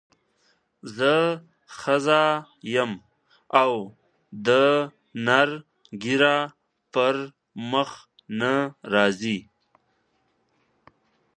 زه ښځه یم او د نر ږیره پر مخ نه راځي.